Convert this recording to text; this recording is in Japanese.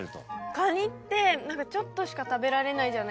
カニって何かちょっとしか食べられないじゃないですか。